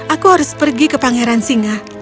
aku harus pergi ke pangeran singa